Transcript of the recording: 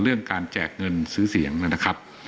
เรื่องการแจกเงินซื้อเสียงนะครับ